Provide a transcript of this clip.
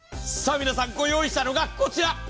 さあ皆さん、ご用意したのがこちら。